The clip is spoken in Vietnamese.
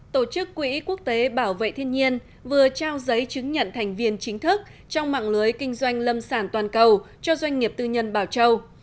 tổ chức quỹ quốc tế bảo vệ thiên nhiên vừa trao giấy chứng nhận thành viên chính thức trong mạng lưới kinh doanh lâm sản toàn cầu cho doanh nghiệp tư nhân bảo châu